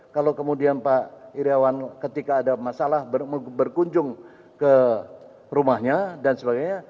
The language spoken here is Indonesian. kalau kemudian pak iryawan ketika ada masalah berkunjung ke rumahnya dan sebagainya